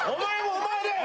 お前何だよ！